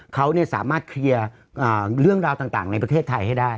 เขาเนี้ยสามารถเคลียร์อ่าเรื่องราวต่างต่างในประเทศไทยให้ได้